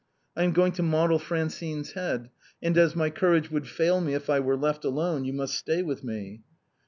I am going to model Francine's head, and as my courage would fail me if I were left alone, you must stay with me."